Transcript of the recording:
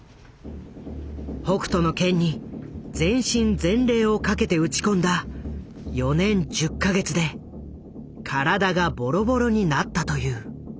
「北斗の拳」に全身全霊をかけて打ち込んだ４年１０か月で体がボロボロになったという。